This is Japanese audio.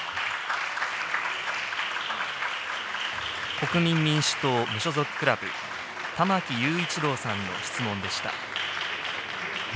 国民民主党無所属クラブ、玉木雄一郎さんの質問でした。